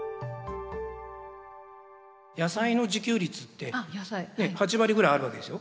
野菜の自給率って８割ぐらいあるわけですよ。